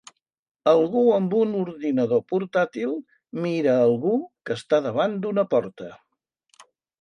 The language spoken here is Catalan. Algú amb un ordinador portàtil mira algú que està davant d'una porta